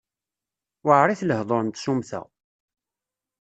Weεrit lehdur n tsumta.